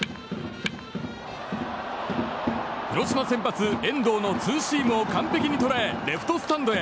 広島先発、遠藤のツーシームを完璧に捉えレフトスタンドへ。